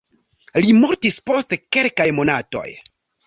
Li mortis post kelkaj monatoj.